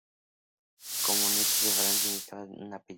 Como nietos de Francia, necesitaban un apellido.